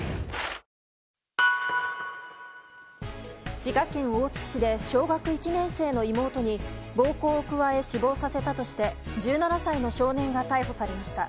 滋賀県大津市で小学１年生の妹に暴行を加え死亡させたとして１７歳の少年が逮捕されました。